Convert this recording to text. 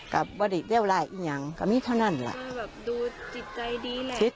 ก็บดย่าวแร่อี้ยังก็มีเท่านั้นแล้ว